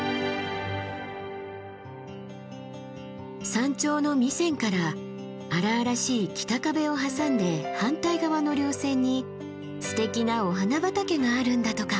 山頂の弥山から荒々しい北壁を挟んで反対側の稜線にすてきなお花畑があるんだとか。